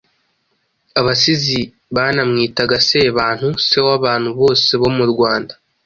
Abasizi banamwitaga Sebantu se w'abantu bose bo mu Rwanda.